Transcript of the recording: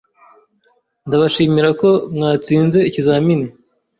Ndabashimira ko mwatsinze ikizamini.